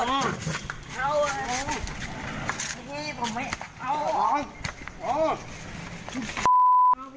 นี่ที่ผมไม่ร่วม